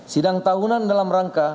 sidang tahunan dalam rangka